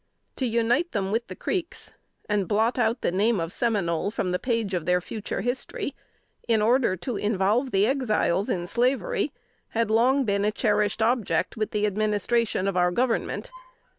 To unite them with the Creeks, and blot the name of "Seminole" from the page of their future history, in order to involve the Exiles in slavery, had long been a cherished object with the administration of our Government.